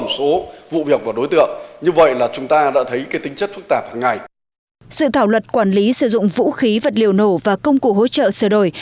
dự thảo luật quản lý sử dụng vũ khí vật liệu nổ và công cụ hỗ trợ sửa đổi